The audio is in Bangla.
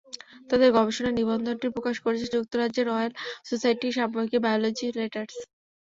তাঁদের গবেষণা নিবন্ধটি প্রকাশ করেছে যুক্তরাজ্যের রয়েল সোসাইটির সাময়িকী বায়োলজি লেটার্স।